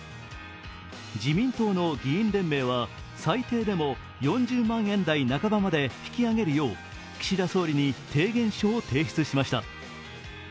自民党の議員連盟は最低でも４０万円台半ばまで引き上げるよう岸田総理に提言書を提出しました。